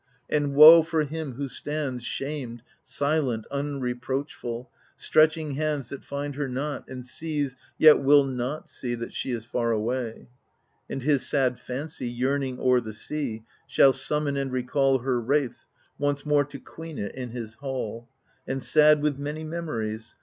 And woe ! for him who stands Shamed, silent, unreproachful, stretching hands That find her not, and sees, yet will not see, That she is far away ! And his sad fancy, yearning o*er the sea, Shall summon and recall Her wraith, once more to queen it in his halL And sad with many memories.